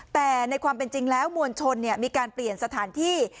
แต่ในความเป็นจริงแล้วมวลชนมีการเปลี่ยนสถานที่